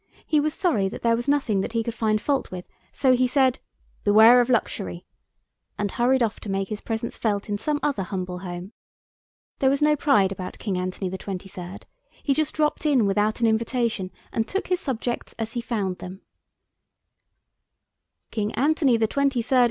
He was sorry that there was nothing that he could find fault with, so he said, "Beware of Luxury," and hurried off to make his presence felt in some other humble home. There was no pride about King Anthony XXIII. He just dropped in without an invitation and took his subjects as he found them. "King Anthony XXIII.